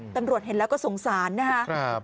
ตำรวจเห็นแล้วก็สงสารนะครับ